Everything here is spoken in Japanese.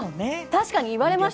確かに言われました！